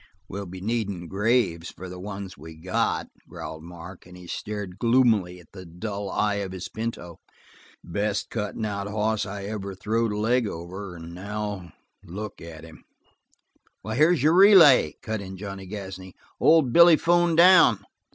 "We'll be needin' graves for the ones we got," growled Mark, and he stared gloomily at the dull eye of his pinto. "The best cuttin' out hoss I ever throwed a leg over, and now look at him!" "Here's your relay!" cut in Johnny Gasney. "Old Billy 'phoned down."